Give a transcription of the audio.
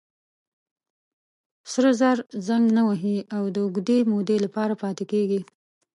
سره زر زنګ نه وهي او د اوږدې مودې لپاره پاتې کېږي.